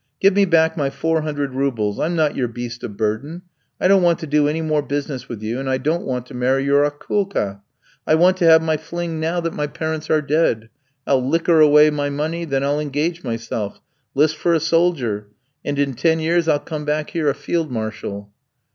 Give me back my four hundred roubles. I'm not your beast of burden; I don't want to do any more business with you, and I don't want to marry your Akoulka. I want to have my fling now that my parents are dead. I'll liquor away my money, then I'll engage myself, 'list for a soldier; and in ten years I'll come back here a field marshal!'